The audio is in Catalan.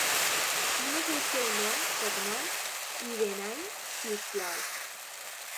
Quin és el seu nom, cognoms i de-ena-i, si us plau?